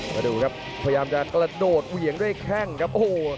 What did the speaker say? ประดูกครับพยายามจะกระโดดเหวียงด้วยแค่งครับ